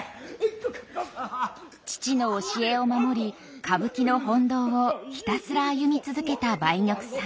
父の教えを守り歌舞伎の本道をひたすら歩み続けた梅玉さん。